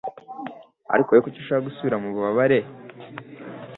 Ariko wowe kuki ushaka gusubira mububabare